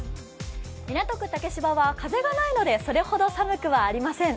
港区竹芝は風がないのでそれほど寒くはありません。